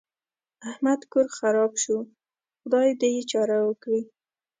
احمد کور خراپ شو؛ خدای دې يې چاره وکړي.